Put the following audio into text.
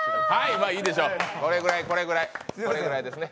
まあいいでしょこれくらい、これくらいですね。